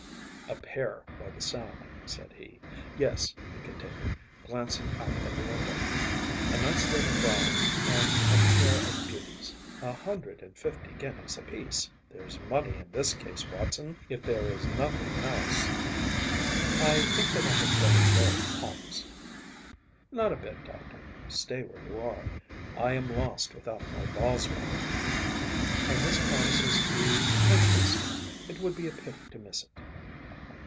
“A pair, by the sound,‚ÄĚ said he. ‚ÄúYes,‚ÄĚ he continued, glancing out of the window. “A nice little brougham and a pair of beauties. A hundred and fifty guineas apiece. There’s money in this case, Watson, if there is nothing else.‚ÄĚ “I think that I had better go, Holmes.‚ÄĚ “Not a bit, Doctor. Stay where you are. I am lost without my Boswell. And this promises to be interesting. It would be a pity to miss it.